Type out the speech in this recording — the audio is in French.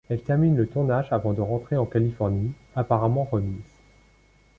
Elle termine le tournage avant de rentrer en Californie, apparemment remise.